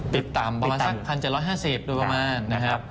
ปิดตามประมาณสัก๑๗๕๐ประมาณนะครับ